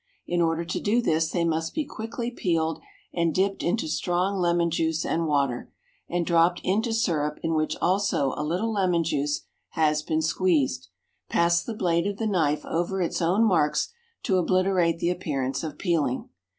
In order to do this they must be quickly peeled and dipped into strong lemon juice and water, and dropped into syrup in which also a little lemon juice has been squeezed. Pass the blade of the knife over its own marks to obliterate the appearance of peeling.